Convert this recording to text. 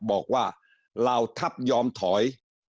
บอกว่าลาวทัพยอมถอย